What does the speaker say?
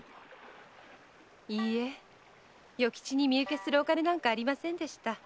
いいえ与吉に身請けするお金なんかありませんでした。